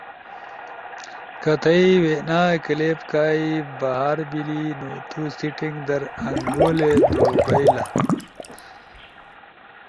کہ تھئی وینا کلپ کائی بھار بیلی نو تو سیٹینگ در انگولی دو بئیل